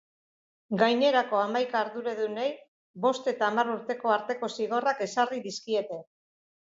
Gainerako hamaika arduradunei bost eta hamar urte arteko zigorrak ezarri dizkiete.